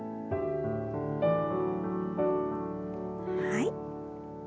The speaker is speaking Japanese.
はい。